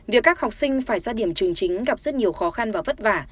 việc các học sinh phải ra điểm trường chính gặp rất nhiều khó khăn và vất vả